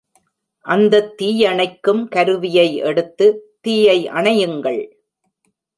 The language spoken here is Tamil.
அந்தத் தீயணைக்கும் கருவியை எடுத்து, தீயை அணையுங்கள்!